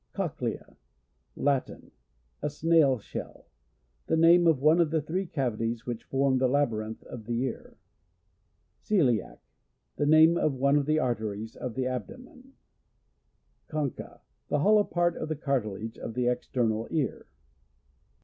Cochlea. — Latin. A snail shell. The name of one of the three cavities which form the labyrinth of the ear. Cos i.i ac. — The name of one of the arteries of the abdomen. Concha. — The hollow part of the car tilage of the external ear.